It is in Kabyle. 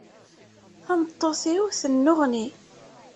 Tameṭṭut-iw tennuɣni.